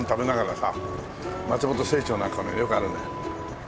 松本清張なんかのによくあるね。